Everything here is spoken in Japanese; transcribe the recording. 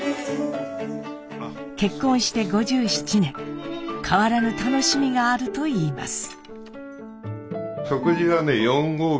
結婚して５７年変わらぬ楽しみがあるといいます。